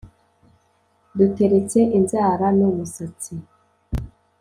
Duteretse inzara n'umusatsi